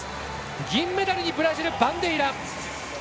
銀メダルにブラジルバンデイラ。